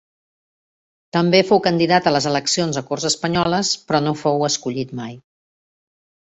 També fou candidat a les eleccions a Corts Espanyoles, però no fou escollit mai.